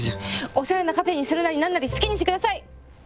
オシャレなカフェにするなりなんなり好きにして下さい。